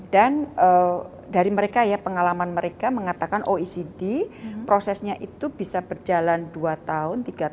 dan dari mereka ya pengalaman mereka mengatakan oecd prosesnya itu bisa berjalan dua tahun tiga tahun sampai tiga tahun